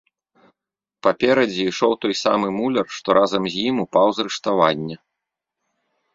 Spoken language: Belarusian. Паперадзе ішоў той самы муляр, што разам з ім упаў з рыштавання.